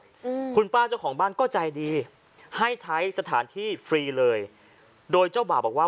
อืมคุณป้าเจ้าของบ้านก็ใจดีให้ใช้สถานที่ฟรีเลยโดยเจ้าบ่าวบอกว่า